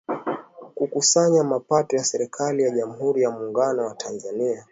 kukusanya mapato ya serikali ya jamhuri ya muungano wa tanzania